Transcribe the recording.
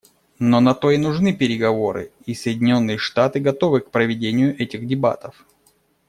Но на то и нужны переговоры, и Соединенные Штаты готовы к проведению этих дебатов.